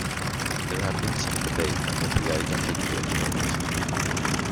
There had been some debate about the identity of the artist.